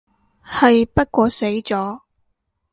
係，不過死咗